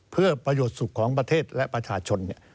เพื่อประโยชน์สุขของประเทศและประชาชน